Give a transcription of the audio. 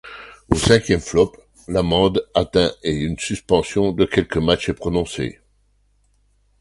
Au cinquième flop, l'amende atteint et une suspension de quelques matchs est prononcée.